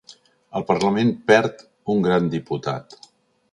El parlament perd un gran diputat.